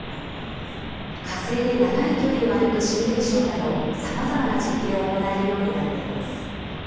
火星で長い距離を歩くシミュレーションなどさまざまな実験を行えるようになっています。